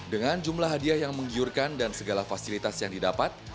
dengan jumlah hadiah yang menggiurkan dan segala fasilitas yang didapat